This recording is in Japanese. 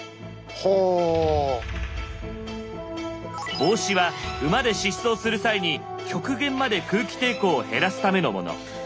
帽子は馬で疾走する際に極限まで空気抵抗を減らすためのもの。